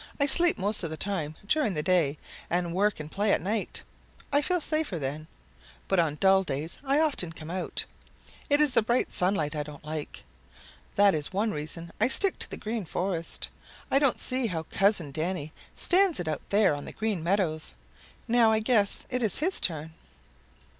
"I sleep most of the time during the day, and work and play at night. I feel safer then. But on dull days I often come out. It is the bright sunlight I don't like. That is one reason I stick to the Green Forest. I don't see how Cousin Danny stands it out there on the Green Meadows. Now I guess it is his turn."